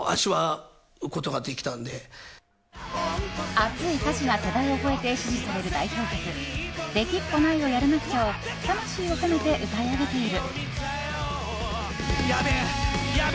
熱い歌詞が世代を超えて支持される代表曲「できっこないをやらなくちゃ」を魂を込めて歌い上げている。